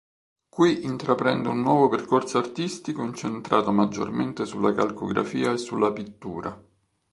Qui intraprende un nuovo percorso artistico incentrato maggiormente sulla calcografia e sulla Pittura.